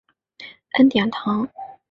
恩典堂。